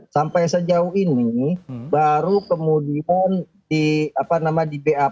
sampai sejauh ini baru kemudian di bap